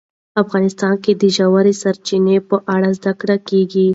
افغانستان کې د ژورې سرچینې په اړه زده کړه کېږي.